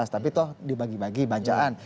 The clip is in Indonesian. tapi toh dibagi bagi banjaan